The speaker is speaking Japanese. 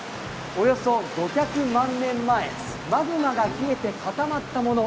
およそ５００万年前、マグマが冷えて固まったもの。